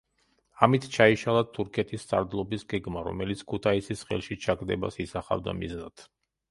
ამით ჩაიშალა თურქეთის სარდლობის გეგმა, რომელიც ქუთაისის ხელში ჩაგდებას ისახავდა მიზნად.